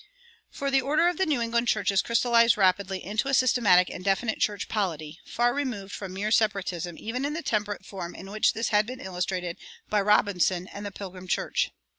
For the order of the New England churches crystallized rapidly into a systematic and definite church polity, far removed from mere Separatism even in the temperate form in which this had been illustrated by Robinson and the Pilgrim church.